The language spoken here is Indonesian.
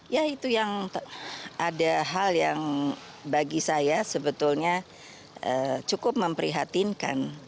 ya itu yang ada hal yang bagi saya sebetulnya cukup memprihatinkan